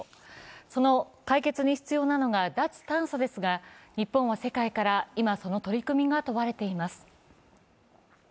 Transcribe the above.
その解決に必要なのが脱炭素ですが、日本は世界から、今その取り組みが問われています。